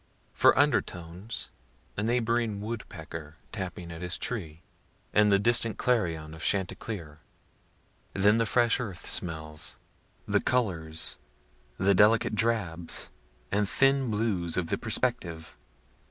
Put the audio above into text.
For undertones, a neighboring wood pecker tapping his tree, and the distant clarion of chanticleer. Then the fresh earth smells the colors, the delicate drabs and thin blues of the perspective.